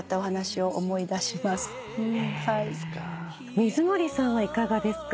水森さんはいかがですか？